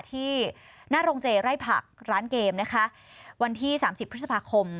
ที่หน้าโรงเจไร่ผักร้านเกมนะคะวันที่สามสิบพฤษภาคม